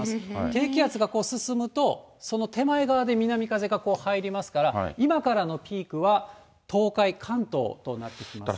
低気圧がこう進むと、その手前側で南風が入りますから、今からのピークは東海、関東となってきます。